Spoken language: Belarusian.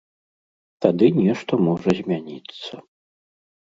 Тады нешта можа змяніцца.